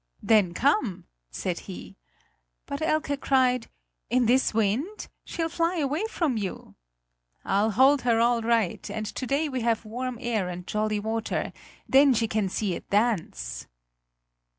"Then come!" said he. But Elke cried: "In this wind? She'll fly away from you!" "I'll hold her all right; and to day we have warm air and jolly water; then she can see it dance!"